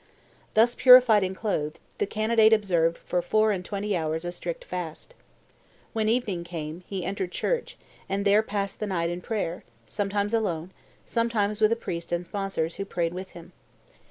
"Thus purified and clothed, the candidate observed for four and twenty hours a strict fast. When evening came, he entered church, and there passed the night in prayer, sometimes alone, sometimes with a priest and sponsors, who prayed with him.